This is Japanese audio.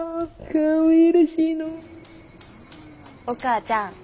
お母ちゃん。